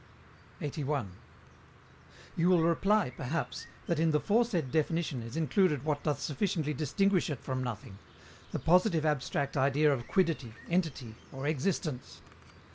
81. You will reply, perhaps, that in the fore said definition is included what doth sufficiently distinguish it from nothing the positive abstract idea of quiddity, entity, or existence.